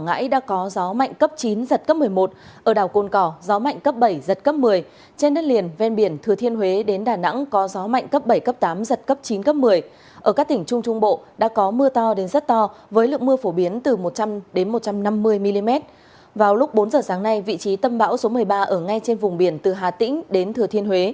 bốn giờ sáng nay vị trí tâm bão số một mươi ba ở ngay trên vùng biển từ hà tĩnh đến thừa thiên huế